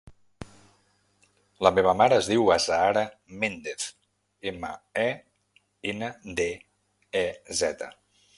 La meva mare es diu Azahara Mendez: ema, e, ena, de, e, zeta.